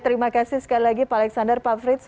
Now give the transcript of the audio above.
terima kasih sekali lagi pak alexander pak frits